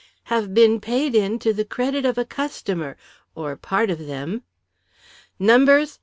"Have been paid in to the credit of a customer, or part of them." "Numbers?"